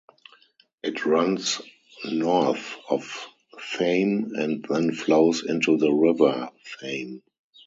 It runs north of Thame and then flows into the River Thame.